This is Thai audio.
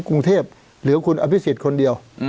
กรุงเทพเหลือคุณอภิษฎคนเดียว